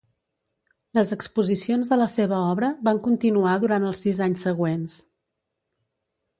Les exposicions de la seva obra van continuar durant els sis anys següents.